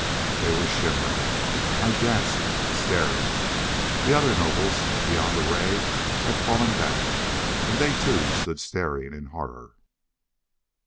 They were shimmering! I gasped, staring. The other nobles, beyond the ray, had fallen back. And they too stood staring in horror.